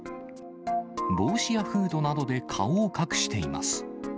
帽子やフードなどで顔を隠しています。